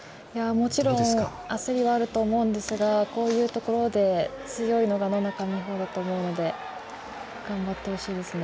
もちろん、焦りはあると思うんですがこういうところで強いのが野中生萌だと思うので頑張ってほしいですね。